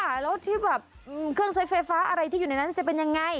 แล้วที่แบบเครื่องใช้ไฟฟ้าอะไรที่อยู่ในนั้นจะเป็นยังไง